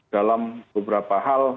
dalam beberapa hal